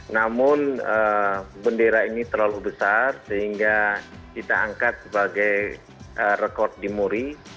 namun bendera ini terlalu besar sehingga kita angkat sebagai rekod di muri